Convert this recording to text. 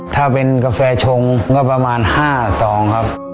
ถ้าเป็นกาแฟชงก็ประมาณ๕๒ครับ